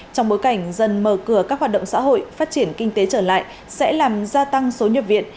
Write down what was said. trong bối cảnh dân mở cửa các hoạt động xã hội phát triển kinh tế trở lại sẽ làm gia tăng số nhập viện